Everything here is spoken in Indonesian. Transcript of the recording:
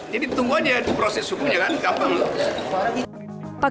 jadi tunggu aja proses hukumnya kan gampang